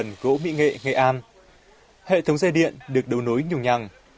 sĩ nghiệp sản xuất đồ gỗ mỹ nghệ nghệ an hệ thống dây điện được đấu nối nhùng nhằng